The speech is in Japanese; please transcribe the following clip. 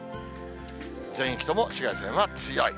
全域とも紫外線は強い。